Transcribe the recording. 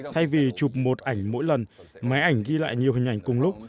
thay vì chụp một ảnh mỗi lần máy ảnh ghi lại nhiều hình ảnh cùng lúc